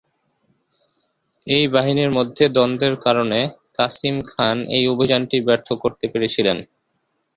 এই বাহিনীর মধ্যে দ্বন্দ্বের কারণে, কাসিম খান এই অভিযানটি ব্যর্থ করতে পেরেছিলেন।